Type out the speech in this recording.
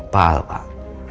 pak al pak